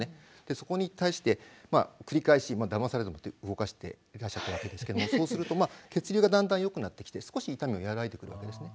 そこに対して繰り返しまあだまされたと思って動かしていらっしゃったわけですけどもそうすると血流がだんだん良くなってきて少し痛みが和らいでくるわけですね。